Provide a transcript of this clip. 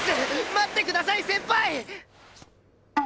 待ってください先輩！